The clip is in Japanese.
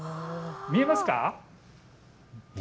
見えますか。